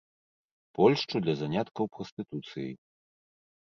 Польшчу для заняткаў прастытуцыяй.